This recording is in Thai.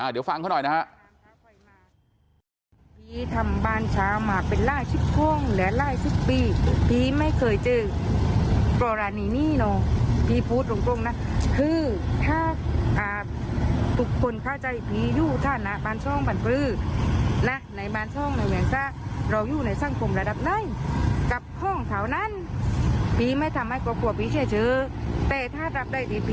เดี๋ยวฟังเขาหน่อยนะฮะ